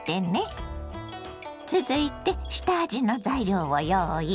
続いて下味の材料を用意。